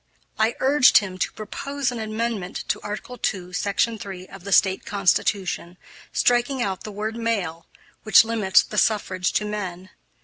I urged him to propose an amendment to Article II, Section 3, of the State Constitution, striking out the word "male," which limits the suffrage to men.